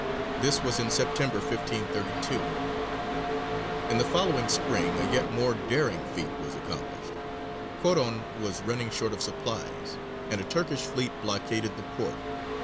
This was in September, 1532. In the following spring a yet more daring feat was accomplished. Coron was running short of supplies, and a Turkish fleet blockaded the port.